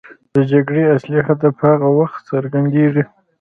د جګړې اصلي هدف هغه وخت څرګندېږي.